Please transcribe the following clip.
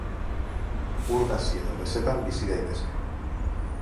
Ur gazi edo gezetan bizi daitezke.